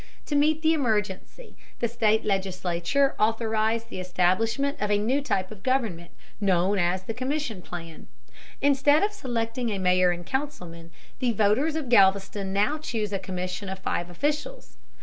To meet the emergency, the state legislature authorized the establishment of a new type of government, known as the commission plan. Instead of selecting a mayor and councilmen, the voters of Galveston now choose a commission of five officials.